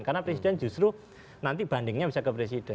karena presiden justru nanti bandingnya bisa ke presiden